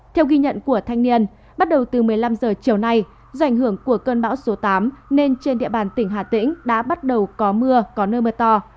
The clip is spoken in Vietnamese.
theo ghi nhận của thanh niên bắt đầu từ một mươi năm h chiều nay do ảnh hưởng của cơn bão số tám nên trên địa bàn tỉnh hà tĩnh đã bắt đầu có mưa có nơi mưa to